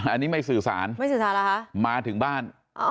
อันนี้ไม่สื่อสารไม่สื่อสารเหรอคะมาถึงบ้าน